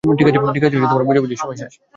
ঠিক আছে, বোঝাবুঝির সময় শেষ।